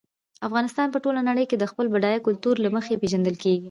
افغانستان په ټوله نړۍ کې د خپل بډایه کلتور له مخې پېژندل کېږي.